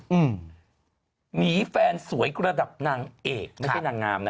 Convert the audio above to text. หมีแฟนสวยระดับนางเอกไม่ใช่นางงามนะ